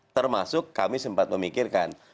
termasuk kami sempat memikirkan